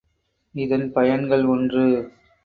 இதன் பயன்கள் ஒன்று.